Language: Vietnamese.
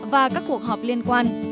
và các cuộc họp liên quan